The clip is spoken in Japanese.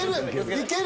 いける！